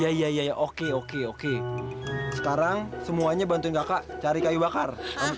iya iya oke oke sekarang semuanya bantuin kakak cari kayu bakar